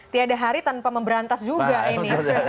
tiada hari tanpa memberantas juga ini